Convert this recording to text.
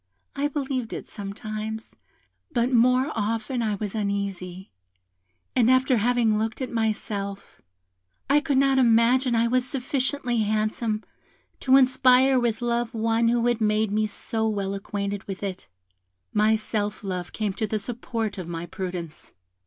I believed it sometimes, but more often I was uneasy, and after having looked at myself, I could not imagine I was sufficiently handsome to inspire with love one who had made me so well acquainted with it. My self love came to the support of my prudence.